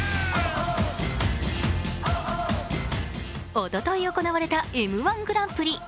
おととい行われた「Ｍ−１グランプリ」。